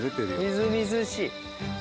みずみずしい！